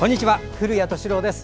古谷敏郎です。